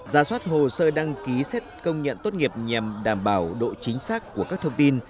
ra soát hồ sơ đăng ký xét công nhận tốt nghiệp nhằm đảm bảo độ chính xác của các thông tin